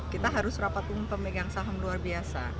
kita harus rapat umum pemegang saham luar biasa